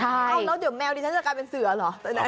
เอ้าแล้วเดี๋ยวแมวดินักล่าเป็นเสือเหรอ